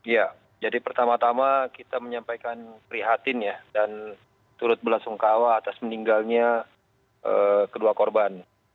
ya jadi pertama tama kita menyampaikan prihatin ya dan turut berlasungkawa atas meninggalnya kedua korban